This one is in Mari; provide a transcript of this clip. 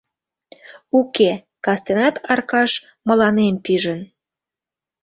Уке, кастенат Аркаш мыланем пижын.